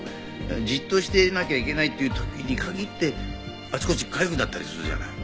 じっとしていなきゃいけないっていう時に限ってあちこちかゆくなったりするじゃない。